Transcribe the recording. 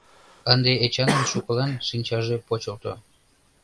Ынде Эчанын шукылан шинчаже почылто.